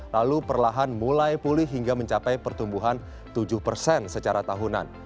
lalu perlahan mulai pulih hingga mencapai pertumbuhan tujuh persen secara tahunan